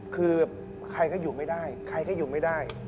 คือใครก็อยู่ไม่ได้ใครก็อยู่ไม่ได้